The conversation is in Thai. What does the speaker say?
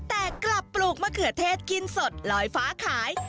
แต่กลับปลูกมะเขือเทศกินสดลอยฟ้าขาย